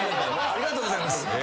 ありがとうございます！